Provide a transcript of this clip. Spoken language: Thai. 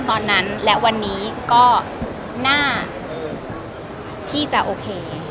ตอนนั้นและวันนี้ก็น่าที่จะโอเค